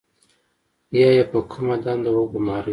یا یې په کومه دنده وګمارئ.